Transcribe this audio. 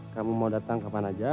kamu mau datang kapan aja